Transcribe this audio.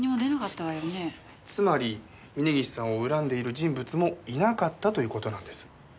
つまり峰岸さんを恨んでいる人物もいなかったという事なんです。